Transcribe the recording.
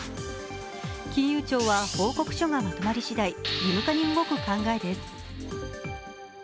金融庁は報告書がまとりましだい義務化に動く考えです。